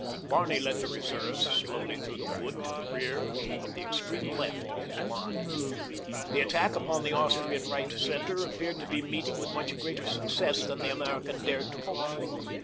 Barney led the reserves slowly through the wood to the rear of the extreme left of his line. The attack upon the Austrian right center appeared to be meeting with much greater success than the American dared to hope for.